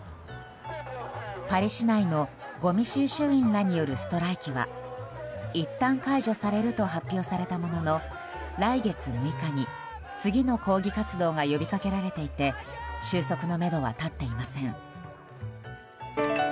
パリ市内のごみ収集員らによるストライキはいったん解除されると発表されたものの来月６日に、次の抗議活動が呼びかけられていて収束のめどは立っていません。